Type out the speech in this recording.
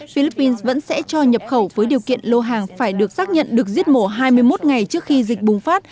philippines vẫn sẽ cho nhập khẩu với điều kiện lô hàng phải được xác nhận được giết mổ hai mươi một ngày trước khi dịch bùng phát